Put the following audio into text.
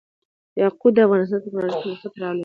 یاقوت د افغانستان د تکنالوژۍ پرمختګ سره تړاو لري.